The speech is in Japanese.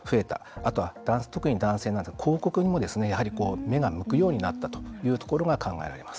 あとは特に男性は広告にもやはり目が向くようになったということが考えられます。